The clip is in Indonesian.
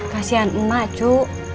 kasian emak cu